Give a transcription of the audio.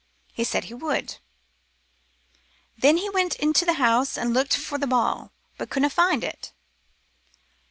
He said he would. " Then he went into t' house, and looked for t' ball, but couldna find it.